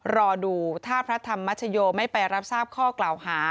รอดูถ้าพระธรรมชโยไม่ไปรับทราบข้อกล่าวหา